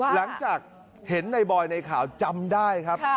หลังจากเห็นในบอยในข่าวจำได้ครับ